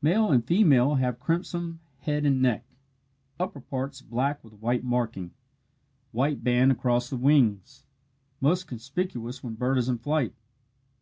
Male and female have crimson head and neck upper parts black with white marking white band across wings most conspicuous when bird is in flight.